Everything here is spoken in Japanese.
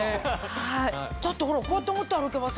だってこうやって持って歩けばさ。